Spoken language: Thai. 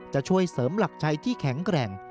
จะช่วยเสริมหลักชัยที่แข็งแกร่ง